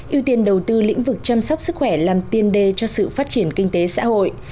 ưu tiên đầu tư lĩnh vực chăm sóc sức khỏe làm tiên đề cho sự phát triển kinh tế xã hội